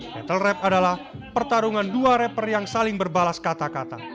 battle rap adalah pertarungan dua rapper yang saling berbalas kata kata